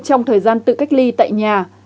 trong thời gian tự cách ly tại nhà